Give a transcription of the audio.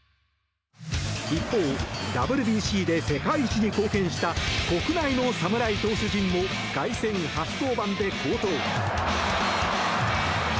一方、ＷＢＣで世界一に貢献した国内の侍投手陣も凱旋初登板で好投。